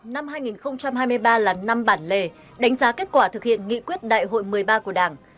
năm hai nghìn hai mươi ba là năm bản lề đánh giá kết quả thực hiện nghị quyết đại hội một mươi ba của đảng